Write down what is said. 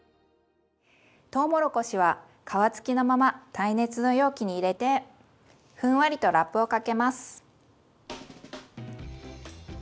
とうもろこしは皮付きのまま耐熱の容器に入れてふんわりとラップをかけます。